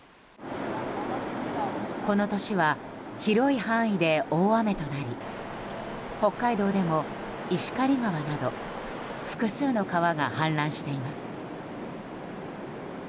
この年は広い範囲で大雨となり北海道でも石狩川など複数の川が氾濫しています。